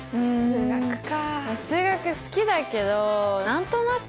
数学か。